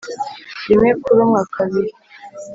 rimwe kurumwa kabiri